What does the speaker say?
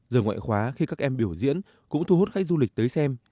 giờ ngoại khóa khi các em biểu diễn cũng thu hút khách du lịch tới xem